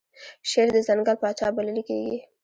شیر د ځنګل پاچا بلل کیږي